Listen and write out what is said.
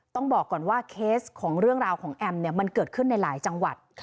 ต้องบอกก่อนว่าเคสของเรื่องราวของแอมเนี่ยมันเกิดขึ้นในหลายจังหวัด